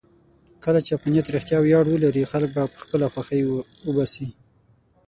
کله چې افغانیت رښتیا ویاړ ولري، خلک به خپله خوښۍ وباسي.